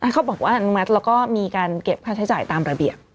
เขาบอกว่าอนุมัติแล้วก็มีการเก็บค่าใช้จ่ายตามระเบียบ